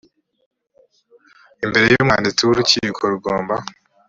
imbere y umwanditsi w urukiko rugomba